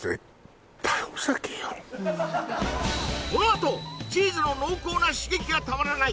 このあとチーズの濃厚な刺激がたまらない！